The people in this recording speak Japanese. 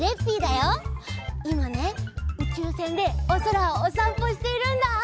いまねうちゅうせんでおそらをおさんぽしているんだ！